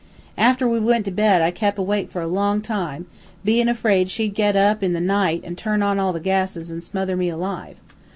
After we went to bed I kep' awake for a long time, bein' afraid she'd get up in the night an' turn on all the gases and smother me alive.